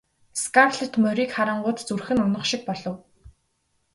Скарлетт морийг харангуут зүрх нь унах шиг болов.